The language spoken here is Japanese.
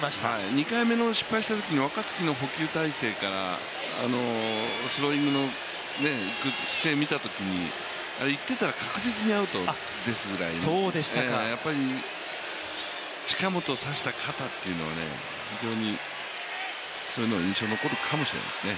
２回目の失敗したとき若月の捕球体勢からスローイングの姿勢を見たときに行っていたら確実にアウトになっていたぐらいなのでやっぱり近本を刺した肩っていうのは、非常に印象に残るかもしれないですね。